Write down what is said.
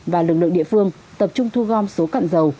và lực lượng địa phương tập trung thu gom số cặn dầu